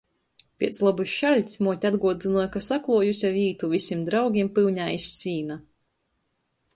Piec lobys šaļts muote atguodynoj, ka sakluojuse vītu vysim draugim pyunē iz sīna.